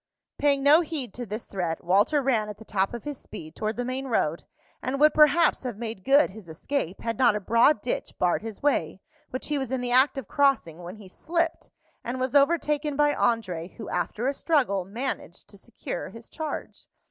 Paying no heed to this threat, Walter ran at the top of his speed toward the main road, and would perhaps have made good his escape had not a broad ditch barred his way, which he was in the act of crossing, when he slipped, and was overtaken by André, who, after a struggle, managed to secure his charge.